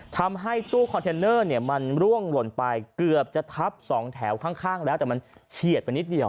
ทำให้ตู้คอนเทนเนอร์เนี่ยมันร่วงหล่นไปเกือบจะทับสองแถวข้างแล้วแต่มันเฉียดไปนิดเดียว